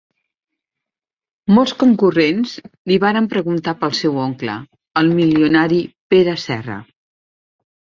Molts concurrents li varen preguntar pel seu oncle, el milionari Pere Serra